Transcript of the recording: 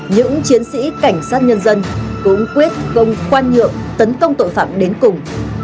những chiến sĩ cảnh sát nhân dân cũng quyết công khoan nhượng tấn công tội phạm đến cùng